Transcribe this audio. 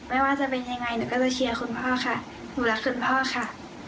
ไม่ว่าจะเป็นยังไงหนูก็จะเชียร์คุณพ่อค่ะหนูรักคุณพ่อค่ะ